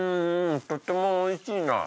とってもおいしいな！